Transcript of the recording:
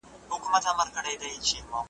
ملنګه ! تور د سترګو وایه څرنګه سپینېږي `